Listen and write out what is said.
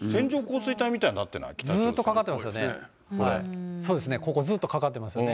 これ、すごい雨雲、ずっとかかってますね、そうですね、ここ、ずっとかかってますね。